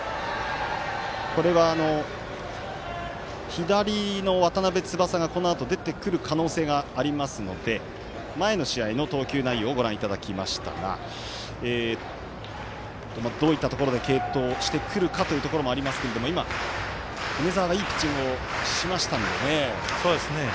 左の渡邉翼がこのあと出てくる可能性がありますので前の試合の投球内容をご覧いただきましたがどういったところで継投してくるかというところもありますが今、梅澤がいいピッチングをしましたのでね。